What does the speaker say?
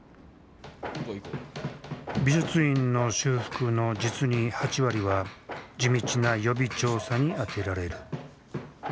美術院の修復の実に８割は地道な予備調査にあてられる。